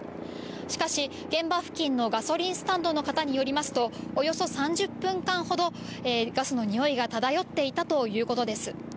しかし、現場付近のガソリンスタンドの方によりますと、およそ３０分間ほど、ガスの臭いが漂っていたということです。